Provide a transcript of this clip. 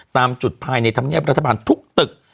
ตามจุดภายในธรรมเนียบรัฐบาลทุกตึก